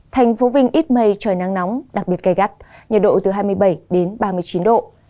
thành phố vinh ít mây trời nắng nóng đặc biệt gây gắt nhiệt độ từ hai mươi bảy đến ba mươi chín độ